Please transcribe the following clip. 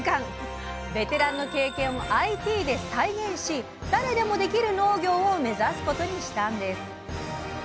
ベテランの経験をＩＴで再現し誰でもできる農業を目指すことにしたんです！